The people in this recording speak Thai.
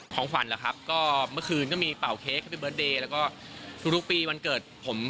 ของขวัญเหรอครับก็เมื่อคืนก็มีเป่าเค้กให้พี่เบิร์ตเดย์แล้วก็ทุกปีวันเกิดผม